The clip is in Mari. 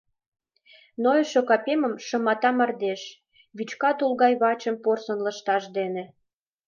Нойышо капемым шымата мардеж: Вӱчка тул гай вачым порсын лышташ дене.